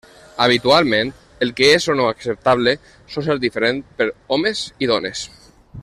Habitualment, el que és o no acceptable sol ser diferent per homes i dones.